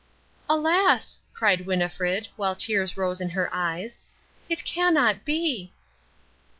"Alas," cried Winnifred, while tears rose in her eyes, "it cannot be!"